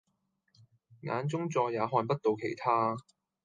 眼中再也看不到其他